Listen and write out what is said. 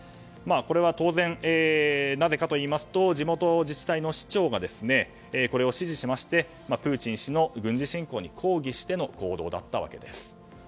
これは当然なぜかといいますと地元自治体の市長がこれを指示しましてプーチン氏の軍事侵攻に抗議しての行動だったわけです。